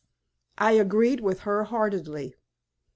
I agreed with her heartily.